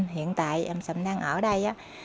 hiện tại em sầm đang ở đây á